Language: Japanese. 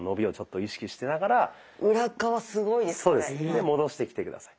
で戻してきて下さい。